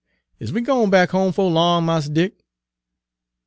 Is we gwine back home 'fo' long, Mars Dick?"